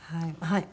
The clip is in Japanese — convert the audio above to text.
はい。